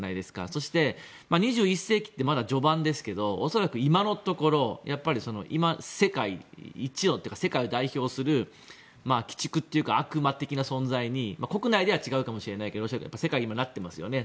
そして２１世紀ってまだ序盤ですけど恐らく今のところ世界一のっていうか世界を代表する鬼畜というか悪魔的な存在に国内では違うかもしれないけど世界では今、なっていますよね。